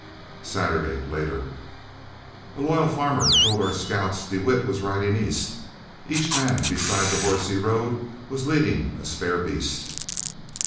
Saturday (later) A loyal farmer told our Scouts de Wet was riding east, Each man, beside the horse he rode, was leading a spare beast.